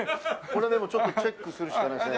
これでもちょっとチェックするしかないですね。